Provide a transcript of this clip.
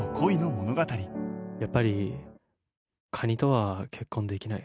やっぱり蟹とは結婚できない。